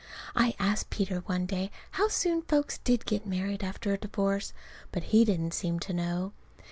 I asked Peter one day how soon folks did get married after a divorce, but he didn't seem to know.